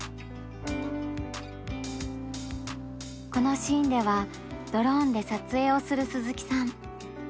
このシーンではドローンで撮影をする鈴木さん。